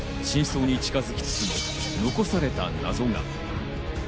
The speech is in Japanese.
真相に近づきつつ残された謎が。